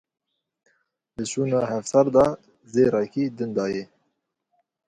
Li şûna hevsar da zêrekî din dayê.